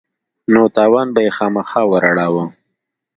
نو تاوان به يې خامخا وراړاوه.